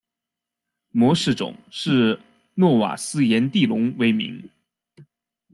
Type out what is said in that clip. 模式种是诺瓦斯颜地龙为名。